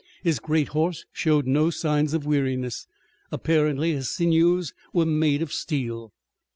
His great horse showed no signs of weariness. Apparently his sinews were made of steel.